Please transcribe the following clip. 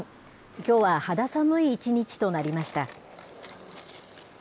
きょうは肌寒い一日となりました。